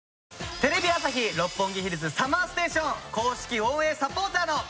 テレビ朝日・六本木ヒルズＳＵＭＭＥＲＳＴＡＴＩＯＮ公式応援サポーターの。